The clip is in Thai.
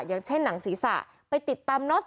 อย่างเช่นหนังศีรษะไปติดตามน็อต